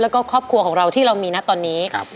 แล้วก็ครอบครัวของเราที่เรามีนะตอนนี้